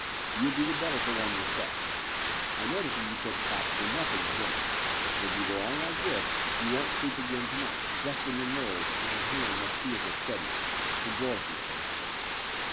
You would be the better for one yourself. I noticed that you took practically nothing at din ner; and, if you go on like this, you won't sleep again to night, just when your nerve and your hand must be at their steadiest — ^for Dorothy's sake."